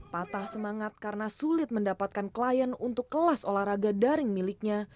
patah semangat karena sulit mendapatkan klien untuk kelas olahraga daring miliknya